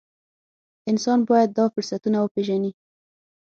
انسان باید دا فرصتونه وپېژني.